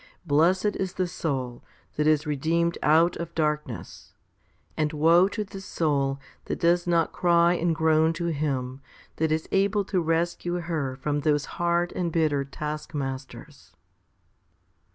Blessed is the soul that is redeemed out of dark ness, and woe to the soul that does not cry and groan to Him that is able to rescue her from those hard and bitter taskmasters.